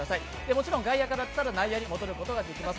もちろん外野から内野に戻ることができます。